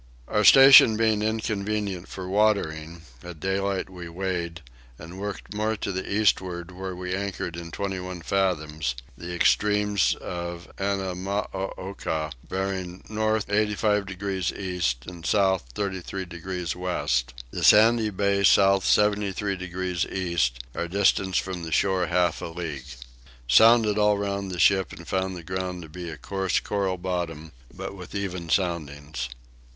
Our station being inconvenient for watering at daylight we weighed, and worked more to the eastward where we anchored in twenty one fathoms; the extremes of Annamooka bearing north 85 degrees east and south 33 degrees west; the Sandy bay south 73 degrees east; our distance from the shore half a league. Sounded all round the ship and found the ground to be a coarse coral bottom, but with even soundings.